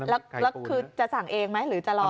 แล้วคือจะสั่งเองไหมหรือจะรอ